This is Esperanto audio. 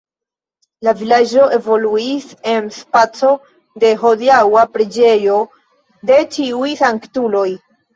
La vilaĝo evoluis en spaco de hodiaŭa preĝejo de Ĉiuj sanktuloj.